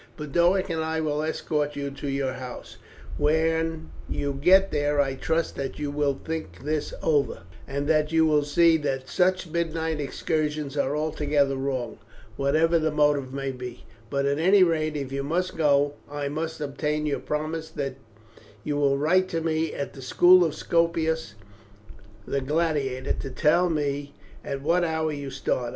Boduoc and I will escort you to your house. When you get there I trust that you will think this over, and that you will see that such midnight excursions are altogether wrong, whatever the motive may be; but at any rate, if you must go, I must obtain your promise that you will write to me at the school of Scopus the gladiator, to tell me at what hour you start.